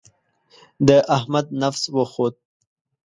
د احمد نفس وخوت.